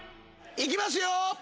いきますよ